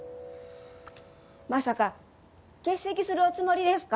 まさか欠席するおつもりですか？